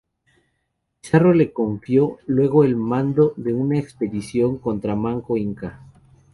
Pizarro le confió luego el mando de una expedición contra Manco Inca.